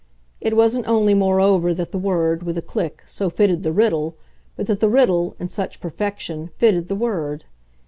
It wasn't only moreover that the word, with a click, so fitted the riddle, but that the riddle, in such perfection, fitted the word.